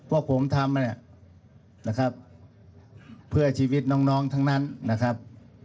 ว่าผมทำเนี่ยนะครับเพื่อชีวิตน้องทั้งนั้นนะครับ